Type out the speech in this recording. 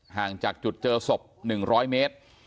ห่างจากจุดเจอศพ๑๐๐เมตร